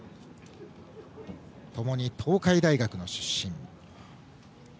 ともに東海大学の出身。